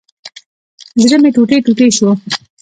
زړه مي ټوټي ټوټي شو